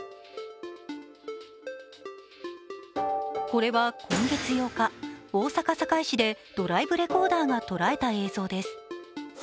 これは今月８日、大阪・堺市でドライブレコーダーが捉えた映像です。